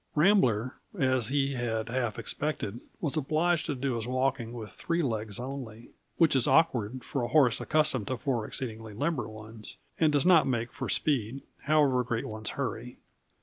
Rambler, as he had half expected, was obliged to do his walking with three legs only; which is awkward for a horse accustomed to four exceedingly limber ones, and does not make for speed, however great one's hurry.